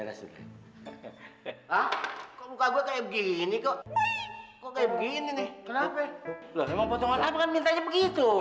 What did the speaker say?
loh emang potongan apa kan minta aja begitu